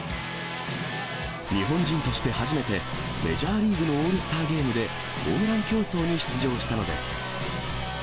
日本人として初めて、メジャーリーグのオールスターゲームでホームラン競争に出場したのです。